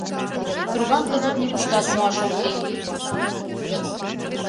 Трубам кызыт нигуштат муаш ок лий.